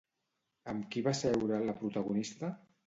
Amb qui va seure la protagonista?